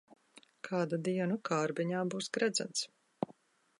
Kādu dienu kārbiņā būs gredzens.